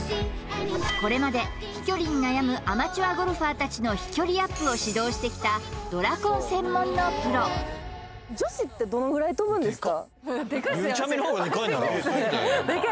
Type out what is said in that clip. これまで飛距離に悩むアマチュアゴルファーたちの飛距離アップを指導してきたドラコン専門のプロ女子ってどのぐらい飛ぶんですか？